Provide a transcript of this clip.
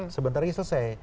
sebentar lagi selesai